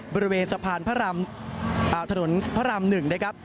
บริเวณสะพานพระราม๑นะครับ